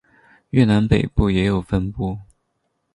越南北部也有分布。